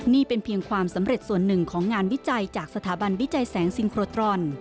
นี่เป็นเพียงความสำเร็จส่วนหนึ่งของงานวิจัยจากสถาบันวิจัยแสงซิงโครตรอน